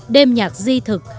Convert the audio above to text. đêm nhạc di thực